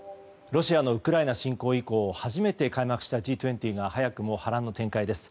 ロシアのウクライナ侵攻以降初めて開幕したＧ２０が早くも波乱の展開です。